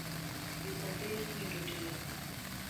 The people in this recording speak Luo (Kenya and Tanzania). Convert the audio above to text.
Jopuonjre Yeso nindo otero.